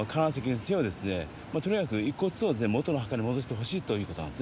とにかく遺骨をもとの墓に戻してほしいということなんです